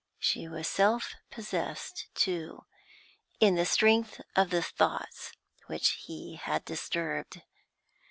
She was self possessed, too, in the strength of the thoughts which he had disturbed.